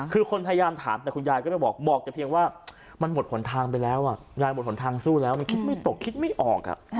คือคนพยายามถามแต่คุณยายก็ไม่บอกบอกแต่เพียงว่ามันหมดหนทางไปแล้วยายหมดหนทางสู้แล้วมันคิดไม่ตกคิดไม่ออก